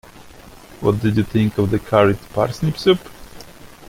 What did you think of the curried parsnip soup?